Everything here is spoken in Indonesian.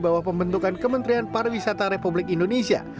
di bawah pembentukan kementerian pariwisata republik indonesia